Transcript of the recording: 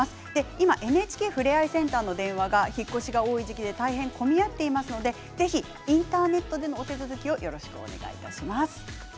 今、ＮＨＫふれあいセンターの電話が引っ越しが多い時期で大変混み合っていますので、ぜひインターネットでのお手続きをよろしくお願いします。